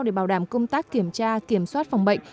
để bảo đảm công tác kiểm tra kiểm soát phòng bệnh